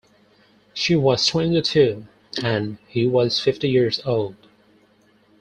She was twenty-two and he was fifty years old.